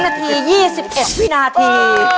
นาที๒๑วินาที